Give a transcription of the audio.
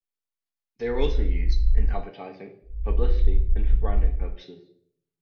They are also used in advertising, publicity, and for branding purposes.